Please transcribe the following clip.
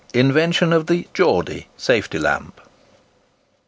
INVENTION OF THE "GEORDY" SAFETY LAMP.